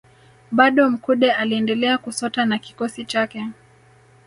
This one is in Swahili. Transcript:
Bado Mkude aliendelea kusota na kikosi chake